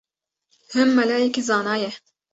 Him melayekî zana ye